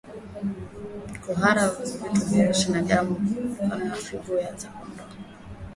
Kuhara vitu vyeusi na damu ni dalili za ugonjwa wa figo za kondoo